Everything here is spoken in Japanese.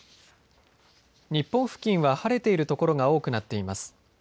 日本付近は晴れている所が多くなっています。